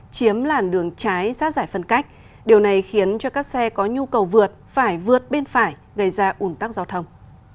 chiếm làn đường trái xác giải phân cách điều này khiến cho các xe có nhu cầu vượt phải vượt bên phải gây ra ủn tắc giao thông